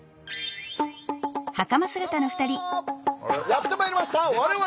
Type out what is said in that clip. やって参りました我々が。